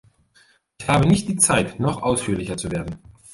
Ich habe nicht die Zeit, noch ausführlicher zu werden.